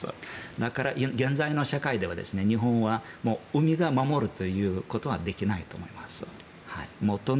だから、現在の社会では日本は海が守るということはできないと思います。